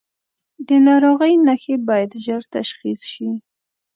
د ناروغۍ نښې باید ژر تشخیص شي.